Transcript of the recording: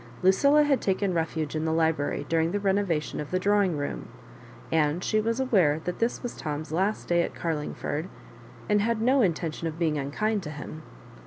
Lucilla had taken refuge in the library during the renovation of the drawing, room ; and she was aware that this was Tom's last day at Oarluagford, and had no intention of being unkind to him.